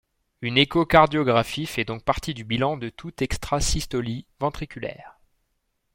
Une échocardiographie fait donc partie du bilan de toute extrasystolie ventriculaire.